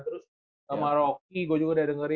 terus sama rocky gue juga udah dengerin